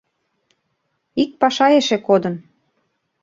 — Ик паша эше кодын.